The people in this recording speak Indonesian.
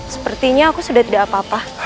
sepertinya aku sudah tidak apa apa